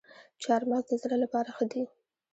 چهارمغز د زړه لپاره ښه دي